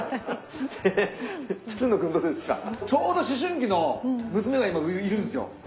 ちょうど思春期の娘が今いるんですよ。